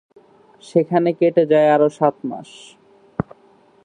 সেখানে কেটে যায় আরো সাত মাস।